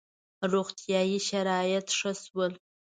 • روغتیايي شرایط ښه شول.